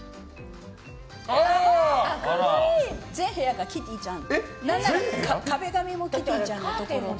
全部屋がキティちゃん。